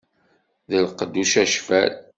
D lqedd ucacfel.